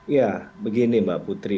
ya begini mbak putri